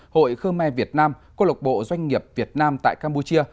hội khơ me việt nam cô lộc bộ doanh nghiệp việt nam tại campuchia